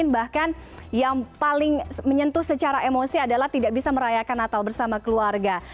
bahkan yang paling menyentuh secara emosi adalah tidak bisa merayakan natal bersama keluarga